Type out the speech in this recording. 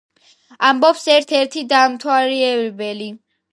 ამბობს ერთ-ერთი დამთვალიერებელი.